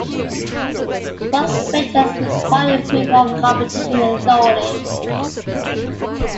Both ventures required approval of competition authorities.